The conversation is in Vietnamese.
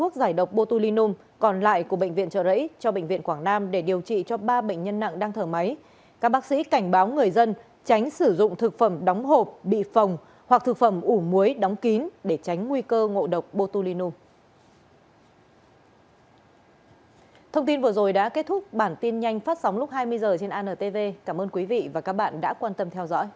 các bác sĩ cảnh báo người dân tránh sử dụng thực phẩm đóng hộp bị phồng hoặc thực phẩm ủ muối đóng kín để tránh nguy cơ ngộ độc botulinum